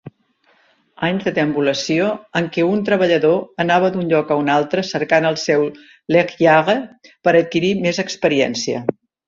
anys de deambulació, en què un treballador anava d'un lloc a un altre cercant el seu Lekrjahre, per adquirir més experiència